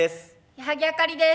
矢作あかりです。